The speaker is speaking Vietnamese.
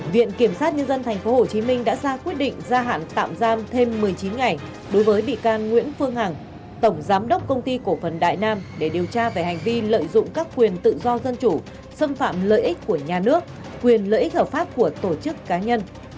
viện kiểm sát nhân dân tp hcm đã ra quyết định gia hạn tạm giam thêm một mươi chín ngày đối với bị can nguyễn phương hằng tổng giám đốc công ty cổ phần đại nam để điều tra về hành vi lợi dụng các quyền tự do dân chủ xâm phạm lợi ích của nhà nước quyền lợi ích hợp pháp của tổ chức cá nhân